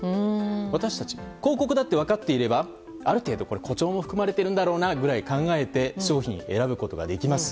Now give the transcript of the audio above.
私たち広告だって分かっていればある程度、誇張も含まれているんだろうなと考えて商品を選ぶことができます。